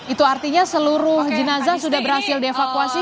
itu artinya seluruh jenazah sudah berhasil dievakuasi